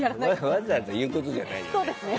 わざわざ言うことじゃないよね。